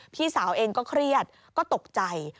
พี่สาวเองก็เครียดก็ตกใจ